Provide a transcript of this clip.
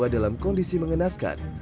dalam kondisi mengenaskan